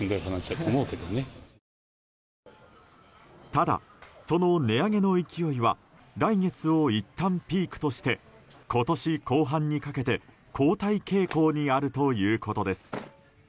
ただ、その値上げの勢いは来月をいったんピークとして今年後半にかけて後退傾向にあるということです。